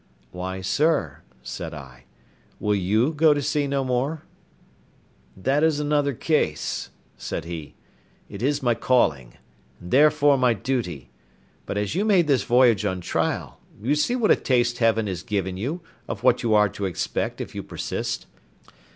"Why, sir," said I, "will you go to sea no more?" "That is another case," said he; "it is my calling, and therefore my duty; but as you made this voyage on trial, you see what a taste Heaven has given you of what you are to expect if you persist.